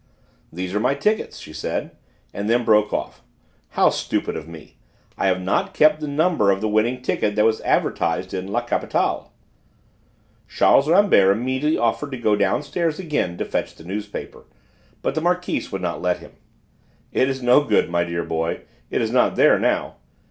"These are my tickets," she said, and then broke off. "How stupid of me! I have not kept the number of the winning ticket that was advertised in La Capitale." Charles Rambert immediately offered to go downstairs again to fetch the newspaper, but the Marquise would not let him. "It is no good, my dear boy; it is not there now.